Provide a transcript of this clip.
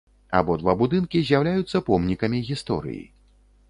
Абодва будынкі з'яўляюцца помнікамі гісторыі.